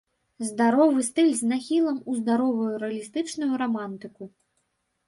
Здаровы стыль з нахілам у здаровую рэалістычную рамантыку.